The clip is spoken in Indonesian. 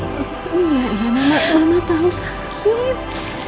aku punya anak dua yang mana tau sakit